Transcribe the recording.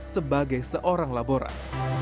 sebagai seorang laborat